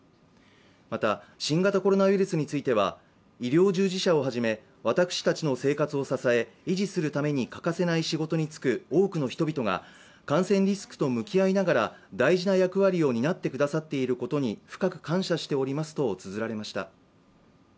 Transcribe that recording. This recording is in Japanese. また、新型コロナウイルスについては、医療従事者をはじめ私たちの生活を支え維持するために欠かせない仕事に就く多くの人々が感染リスクと向き合いながら大事な役割を担ってくださっていることに深く感謝しておりますとつづられました。